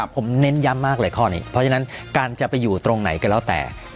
ผมเน้นย้ำมากเลยข้อนี้เพราะฉะนั้นการจะไปอยู่ตรงไหนก็แล้วแต่